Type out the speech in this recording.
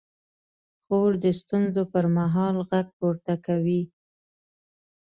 خور د ستونزو پر مهال غږ پورته کوي.